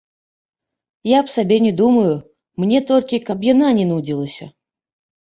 Я аб сабе не думаю, мне толькі, каб яна не нудзілася.